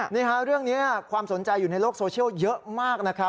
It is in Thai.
นี่ฮะเรื่องนี้ความสนใจอยู่ในโลกโซเชียลเยอะมากนะครับ